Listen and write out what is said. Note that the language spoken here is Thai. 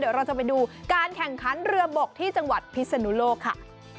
เดี๋ยวเราจะไปดูการแข่งขันเรือบกที่จังหวัดพิศนุโลกค่ะ